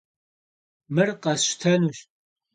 Mır khesştenuş.